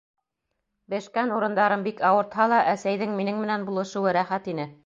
Бешкән урындарым бик ауыртһа ла, әсәйҙең минең менән булышыуы рәхәт ине.